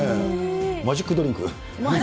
マジックドリンク？